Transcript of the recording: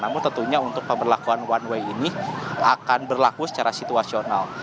namun tentunya untuk pemberlakuan one way ini akan berlaku secara situasional